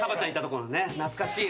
懐かしい。